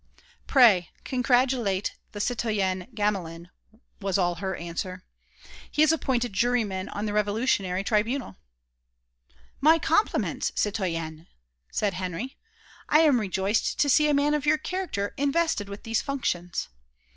"Pray, congratulate the citoyen Gamelin," was all her answer, "he is appointed juryman on the Revolutionary Tribunal." "My compliments, citoyen!" said Henry. "I am rejoiced to see a man of your character invested with these functions.